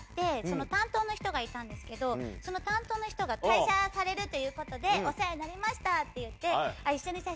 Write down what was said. がいたんですけどその担当の人が。ということでお世話になりましたって言って。